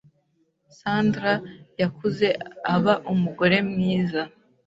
Sandra yakuze aba umugore mwiza.